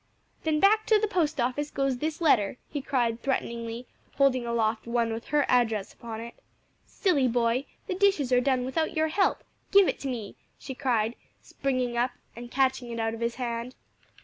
"Then back to the post office goes this letter!" he cried threateningly, holding aloft one with her address upon it. "Silly boy, the dishes are done without your help; give it to me!" she cried, springing up and catching it out of his hand.